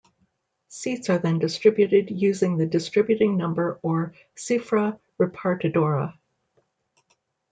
Seats are then distributed using the distributing number, or "cifra repartidora".